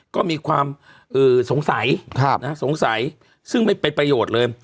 ก็มีความสงสัยสงสัยซึ่งไม่เป็นประโยชน์เลย